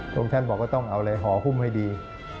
ทรงชั้นบอกว่าต้องเอาอะไรหอหุ้มให้ดี